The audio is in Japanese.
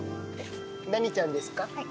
何ちゃんですか？